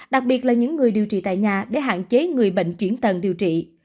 đặc biệt là những người điều trị tại nhà để hạn chế người bệnh chuyển tần điều trị